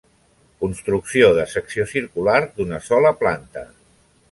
Construcció de secció circular d'una sola planta.